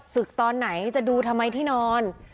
ตอนไหนจะดูทำไมที่นอน